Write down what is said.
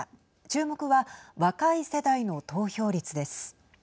注目は、若い世代の投票率です。